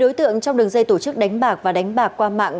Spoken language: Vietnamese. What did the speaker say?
một mươi đối tượng trong đường dây tổ chức đánh bạc và đánh bạc qua mạng